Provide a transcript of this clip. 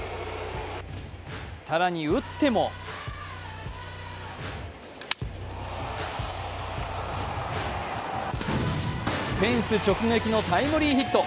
更に打ってもフェンス直撃のタイムリーヒット。